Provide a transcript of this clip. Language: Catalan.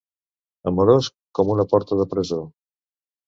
Amorós com una porta de presó.